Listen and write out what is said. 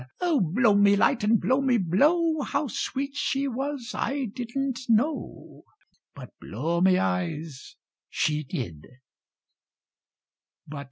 O, blow me light and blow me blow, How sweet she was I didn't know But, blow me eyes, she did!